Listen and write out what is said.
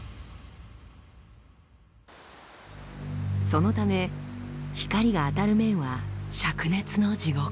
そのため光が当たる面はしゃく熱の地獄。